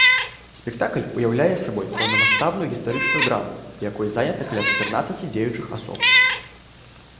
Спектакль уяўляе сабой поўнамаштабную гістарычную драму, у якой занята каля чатырнаццаці дзеючых асоб.